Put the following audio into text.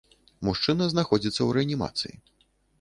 Мужчына знаходзіцца ў рэанімацыі.